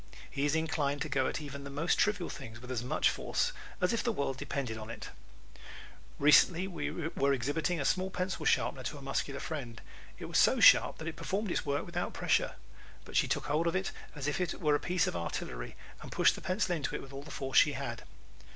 He is inclined to go at even the most trivial things with as much force as if the world depended on it. Recently we were exhibiting a small pencil sharpener to a muscular friend. It was so sharp that it performed its work without pressure. But she took hold of it as if it were a piece of artillery and pushed the pencil into it with all the force she had.